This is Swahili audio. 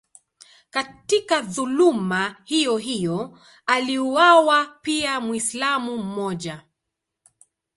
Katika dhuluma hiyohiyo aliuawa pia Mwislamu mmoja.